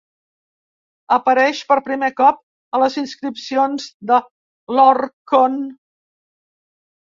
Apareix per primer cop a les inscripcions de l'Orkhon.